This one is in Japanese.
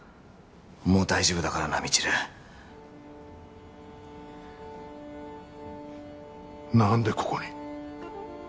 もう大丈夫だからな未知留何でここに？